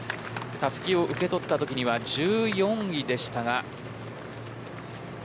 たすきを受け取ったときには１４位でしたが。